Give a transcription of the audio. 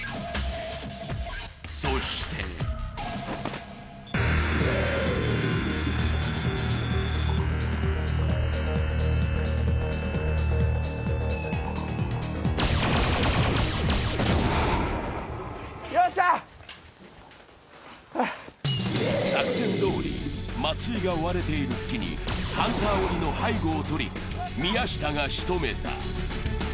そして作戦どおり松井が追われている隙にハンター鬼の背後をとり、宮下がしとめた。